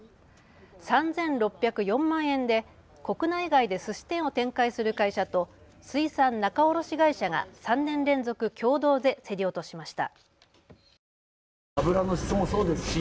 ３６０４万円で国内外ですし店を展開する会社と水産仲卸会社が３年連続共同で競り落としました。